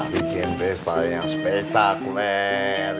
bikin pesta yang spektakuler